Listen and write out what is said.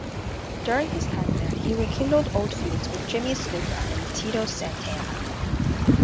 During his time there, he rekindled old feuds with Jimmy Snuka and Tito Santana.